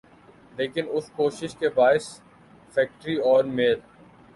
لیکن اس کوشش کے باعث فیکٹری اور میل